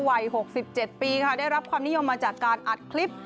วัย๖๗ปีค่ะได้รับความนิยมมาจากการอัดคลิป